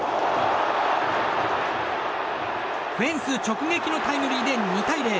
フェンス直撃のタイムリーで２対０。